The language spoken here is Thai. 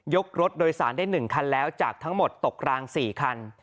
รถโดยสารได้๑คันแล้วจากทั้งหมดตกราง๔คัน